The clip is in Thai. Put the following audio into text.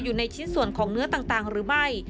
อยู่ในชิ้นส่วนของเนื้อต่างหรือไม่